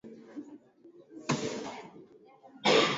Viazi lishe hulimwa Tanzania